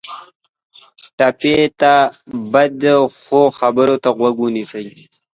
ټپي ته باید ښو خبرو ته غوږ ونیسو.